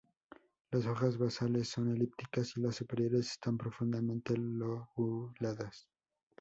Las hojas basales son elípticas y las superiores están profundamente lobuladas.